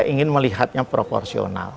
ingin melihatnya proporsional